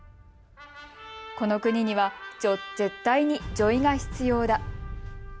この国には絶対に女医が必要だ。